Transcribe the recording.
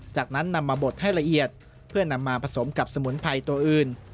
จากนั้นนำมาบดให้ละเอียดเพื่อนำมาผสมกับสมุนไพรตัวอื่น